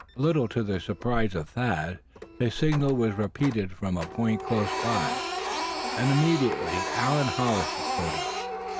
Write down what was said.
A little to the surprise of Thad his signal was repeated from a point close by, and immediately Allan Hollister showed up.